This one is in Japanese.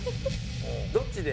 どっちで？